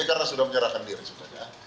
karena sudah menyerahkan diri sebenarnya